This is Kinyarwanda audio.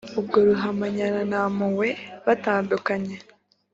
«ubwo ruhamanya na ntampuhwe batandukanye